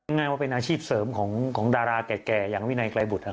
ง่ายว่าเป็นอาชีพเสริมของดาราแก่อย่างวินัยไกรบุตรครับ